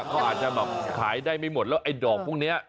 เขาอาจจะแบบขายได้ไม่หมดแล้วไอ้ดอกพวกนี้